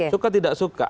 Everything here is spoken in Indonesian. suka tidak suka